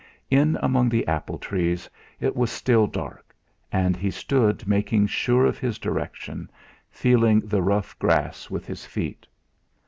In among the apple trees it was still dark, and he stood making sure of his direction, feeling the rough grass with his feet.